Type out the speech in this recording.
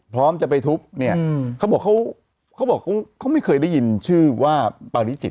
พร้อมจะไปทุบเนี่ยเขาบอกเขาเขาบอกเขาไม่เคยได้ยินชื่อว่าปาริจิต